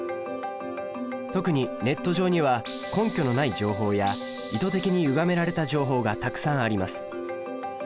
特にネット上には根拠のない情報や意図的にゆがめられた情報がたくさんあります。